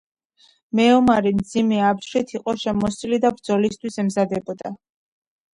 მეომარი მძიმე აბჯრით იყო შემოსილი და ბრძოლისთვის ემზადებოდა.